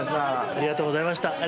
ありがとうございましたー。